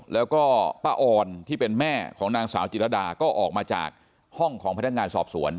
แล้วก็ป้าออนที่เป็นแม่ของนางสาวจิรดาก็ออกมาจากห้องของพนักงานสอบสวน